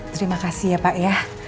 terima kasih ya pak ya